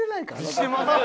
してません。